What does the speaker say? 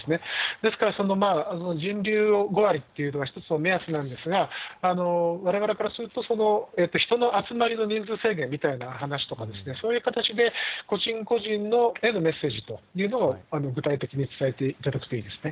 ですから人流を５割というのは一つの目安なんですが、われわれからすると、人の集まりの人数制限みたいな話とか、そういう形で個人個人へのメッセージというのを具体的に伝えていただくといいですね。